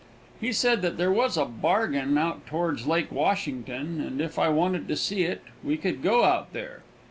He said that there was a bargain out towards Lake Washington, and if I wanted to see it we could go out there.